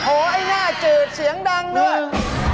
ไอ้หน้าจืดเสียงดังด้วย